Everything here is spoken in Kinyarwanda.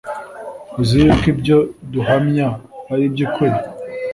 uzi yuko ibyo duhamya ari iby ukuri